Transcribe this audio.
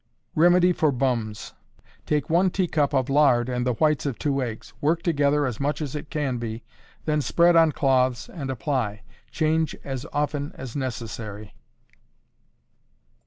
Remedy for Bums. Take one teacup of lard and the whites of two eggs; work together as much as it can be, then spread on cloths and apply. Change as often as necessary.